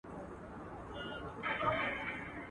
که مي دوی نه وای وژلي دوی وژلم.